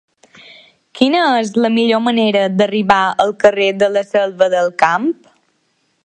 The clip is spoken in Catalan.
Quina és la millor manera d'arribar al carrer de la Selva del Camp?